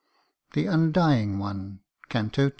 "THE UNDYING ONE.' CANTO II.